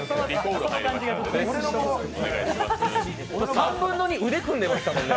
３分の２、腕組んでました。